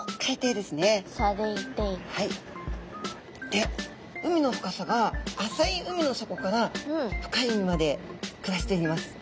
で海の深さが浅い海の底から深い海まで暮らしています。